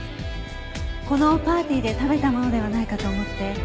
このパーティーで食べたものではないかと思って。